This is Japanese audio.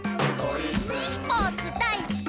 「スポーツだいすき！」